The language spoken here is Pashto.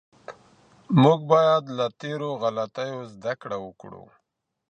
موږ باید له تېرو غلطیو زده کړه وکړو.